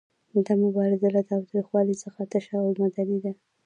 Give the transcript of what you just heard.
دا مبارزه له تاوتریخوالي څخه تشه او مدني ده.